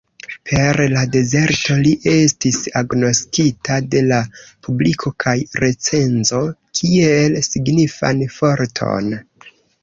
Per "La Dezerto" li estis agnoskita de la publiko kaj recenzo kiel signifan forton.